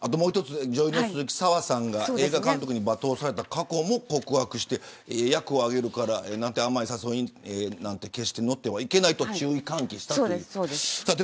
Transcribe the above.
女優の鈴木砂羽さんが映画監督に罵倒された過去も告白して役をあげるからという甘い誘いに決して乗ってはいけないと注意喚起したという。